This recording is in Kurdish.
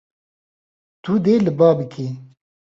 Tu dê li ba bikî.